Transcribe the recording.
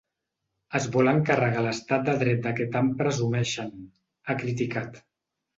Es volen carregar l’estat de dret de què tant presumeixen, ha criticat.